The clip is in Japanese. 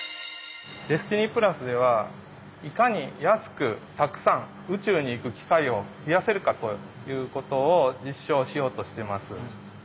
ＤＥＳＴＩＮＹではいかに安くたくさん宇宙に行く機会を増やせるかということを実証しようとしてます。